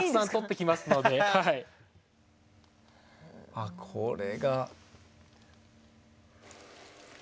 あっこれが。